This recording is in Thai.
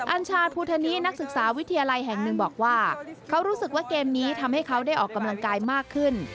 อัญชาภูทนินักศึกษาวิทยาลัยแห่งหนึ่งบอกว่าเขารู้สึกว่าเกมนี้ทำให้เขาได้ออกกำลังกายมากขึ้น